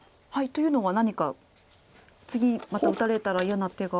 というのは何か次また打たれたら嫌な手が。